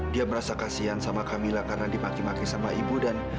dia merasa kasian sama kamila karena dimaki maki sama ibu dan